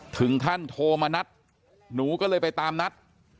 ถึงขั้นโทรมานัดหนูก็เลยไปตามนัด